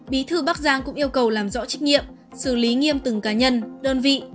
bí thư bắc giang cũng yêu cầu làm rõ trích nghiệm xử lý nghiêm từng cá nhân đơn vị